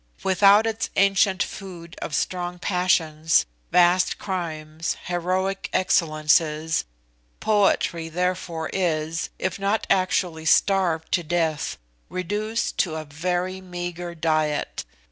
Without its ancient food of strong passions, vast crimes, heroic excellences, poetry therefore is, if not actually starved to death, reduced to a very meagre diet.